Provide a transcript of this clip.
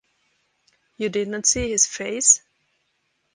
You did not see his face?